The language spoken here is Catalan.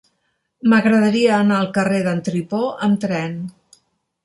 M'agradaria anar al carrer d'en Tripó amb tren.